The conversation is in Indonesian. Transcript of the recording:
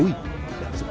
ya selamat datang pak